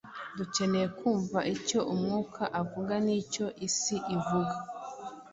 Dukeneye kumva icyo Umwuka avuga, n’icyo isi ivuga.